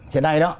hiện nay đó